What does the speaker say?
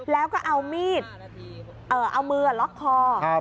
แล้วก็เอามีดเอามือล็อกคอ